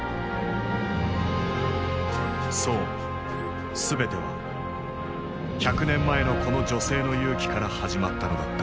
そう全ては百年前のこの女性の勇気から始まったのだった。